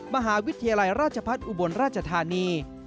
มหาวิทยาลัยราชพัฒน์อุบลราชธานี